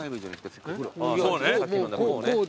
そうね。